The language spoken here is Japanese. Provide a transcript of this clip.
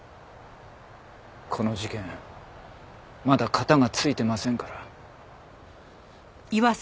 この事件まだ片が付いてませんから。